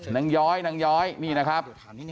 ย้อยนางย้อยนี่นะครับ